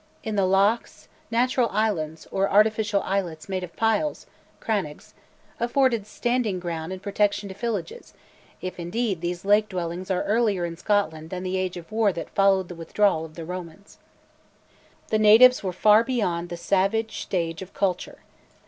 In the lochs, natural islands, or artificial islets made of piles (crannogs), afforded standing ground and protection to villages, if indeed these lake dwellings are earlier in Scotland than the age of war that followed the withdrawal of the Romans. The natives were far beyond the savage stage of culture.